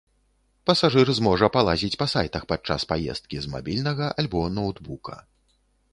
Пасажыр зможа палазіць па сайтах падчас паездкі, з мабільнага альбо ноўтбука.